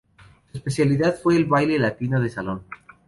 Su especialidad fue el baile latino de salón.